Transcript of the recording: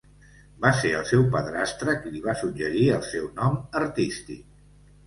Va ser el seu padrastre qui li va suggerir el seu nom artístic.